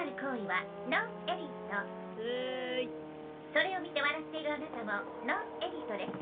それを見て笑っているアナタもノーエリートです。